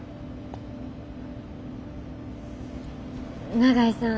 長井さん